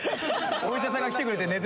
お医者さんが来てくれて寝てる間に？